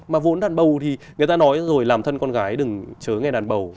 mà vốn đàn bầu thì người ta nói rồi làm thân con gái đừng chớ nghe đàn bầu